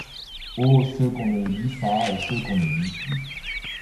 Oh ! ceux qu'on ne lit pas et ceux qu'on ne lit plus